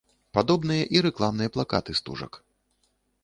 Падобныя і рэкламныя плакаты стужак.